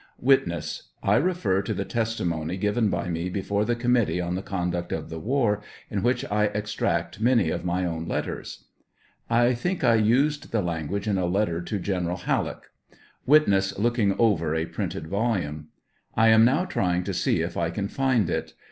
Witness. I refer to the testimony given by me before the Committee on the Conduct of the War, in which I extract many of my own letters. I think I used the language in a letter to General Halleck. (Witness looking over a printed volume.) I am now trying to see if I can find it.